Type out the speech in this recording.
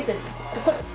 ここです。